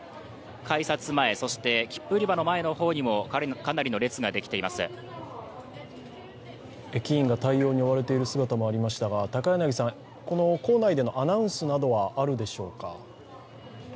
改札前、そして切符売り場の前の方にも駅員が対応に追われている姿もありましたが構内でのアナウンスなどはあるでしょうか？